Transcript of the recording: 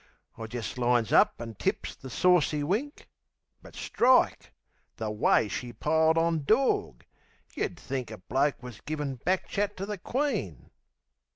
I just lines up an' tips the saucy wink. But strike! The way she piled on dawg! Yer'd think A bloke was givin' back chat to the Queen....